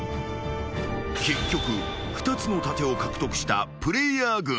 ［結局２つの盾を獲得したプレイヤー軍］